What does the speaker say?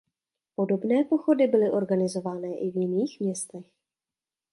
Podobné pochody byly organizované i v jiných městech.